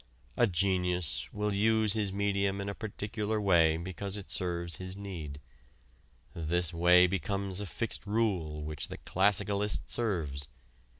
A genius will use his medium in a particular way because it serves his need; this way becomes a fixed rule which the classicalist serves.